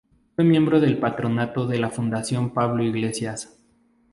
Fue miembro del patronato de la Fundación Pablo Iglesias.